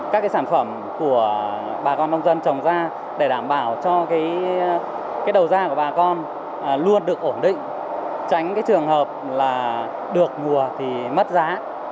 các sản phẩm của bà con nông dân trồng ra để đảm bảo cho đầu ra của bà con luôn được ổn định tránh trường hợp được ngùa thì mất giá